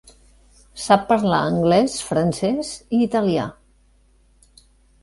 Sap parlar anglès, francès i italià.